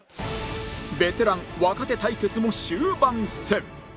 ベテラン若手対決も終盤戦